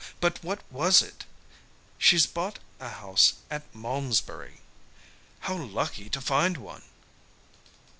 But what was it?" "She's bought a house at Malmesbury." "How lucky to find one!"